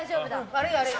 悪い、悪い。